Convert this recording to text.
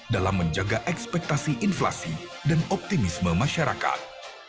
dalam menjaga ekspektasi inflasi dan optimisme masyarakat